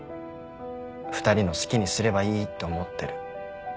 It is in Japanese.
２人の好きにすればいいって思ってる。